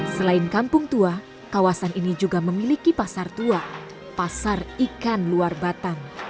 selain kampung tua kawasan ini juga memiliki pasar tua pasar ikan luar batang